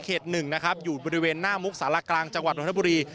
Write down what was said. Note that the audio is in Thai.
๑นะครับอยู่บริเวณหน้ามุกสารกลางจังหวัดนทบุรี